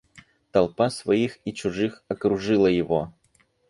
Толпа своих и чужих окружила его.